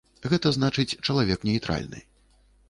Гэта значыць, чалавек нейтральны.